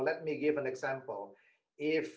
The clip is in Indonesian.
jadi biarkan saya memberikan contoh